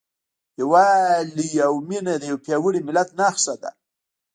یووالی او مینه د یو پیاوړي ملت نښه ده.